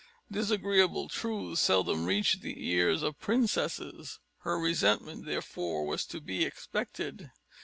Disagreeable truths seldom reach the ear of princesses; her resentment, therefore, was to be expected.